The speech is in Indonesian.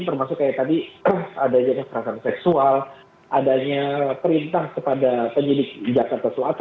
termasuk kayak tadi adanya keserasan seksual adanya kerintah kepada penyidik jakarta suat